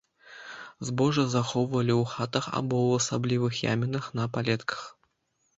Збожжа захоўвалі ў хатах або ў асаблівых ямінах на палетках.